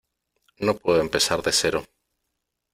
no puedo empezar de cero .